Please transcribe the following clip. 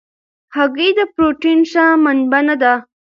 هګۍ د پروټین ښه منبع نه ده.